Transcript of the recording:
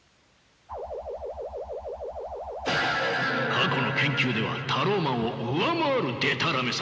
過去の研究ではタローマンを上回るでたらめさ。